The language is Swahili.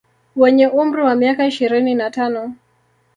Wenye umri wa miaka ishirini na tano